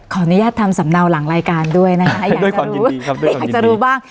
ขออนุญาตทำสำเนาหลังรายการด้วยนะครับอยากจะรู้บ้าง